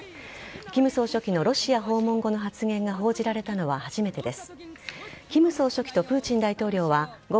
金総書記のロシア訪問後の発言が報じられたのは初めてです。